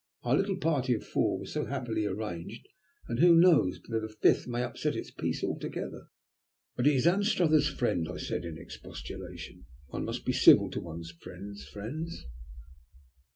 "Our little party of four was so happily arranged, and who knows but that a fifth may upset its peace altogether?" "But he is Anstruther's friend," I said in expostulation. "One must be civil to one's friends' friends."